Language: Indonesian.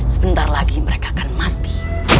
sebentar lagi mereka akan mati